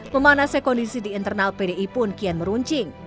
memanasnya kondisi di internal pdi pun kian meruncing